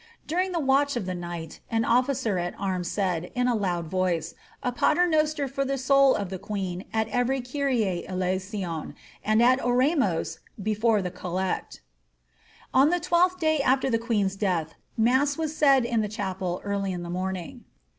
During the watch of the night an officer at arms said, in a loud voice, a pater noster for the soul of the queen at every Kyrie Eieison, and at Oremus before the collect On the twelfth day afler the queen's death mass was said in the chapel etrly in the morning.